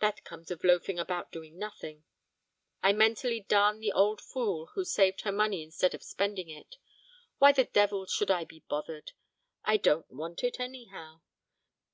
That comes of loafing about doing nothing. I mentally darn the old fool who saved her money instead of spending it. Why the devil should I be bothered? I don't want it anyhow.